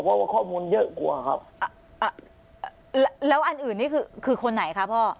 เพราะว่าข้อมูลเยอะกว่าครับแล้วอันอื่นนี่คือคือคนไหนคะพ่อ